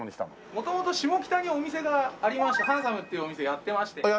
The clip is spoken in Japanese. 元々下北にお店がありましてはんさむっていうお店やってまして。